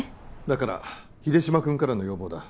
だから秀島君からの要望だ